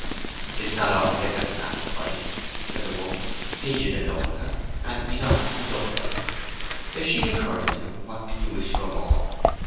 "It is not altogether a sacrifice," said the woman. "He is in love with her, and he's honest and upright. If she encourages him, what can you wish for more?"